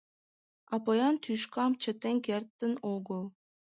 А поян тӱшкам чытен кертын огыл.